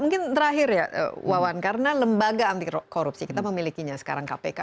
mungkin terakhir ya wawan karena lembaga anti korupsi kita memilikinya sekarang kpk